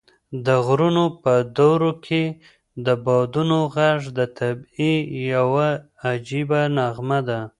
د غرونو په درو کې د بادونو غږ د طبعیت یوه عجیبه نغمه ده.